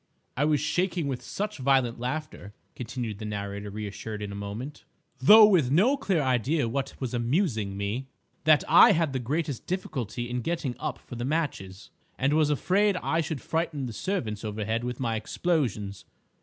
"I was shaking with such violent laughter," continued the narrator, reassured in a moment, "though with no clear idea what was amusing me, that I had the greatest difficulty in getting up for the matches, and was afraid I should frighten the servants overhead with my explosions.